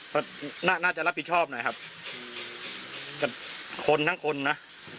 เพราะน่าจะรับผิดชอบหน่อยครับแต่คนทั้งคนน่ะ